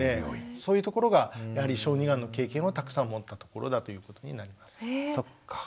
そういうところがやはり小児がんの経験をたくさん持ったところだということになります。